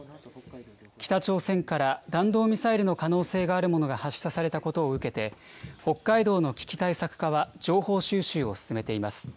北朝鮮から弾道ミサイルの可能性のあるものが発射されたことを受けて、北海道の危機対策課は情報収集を進めています。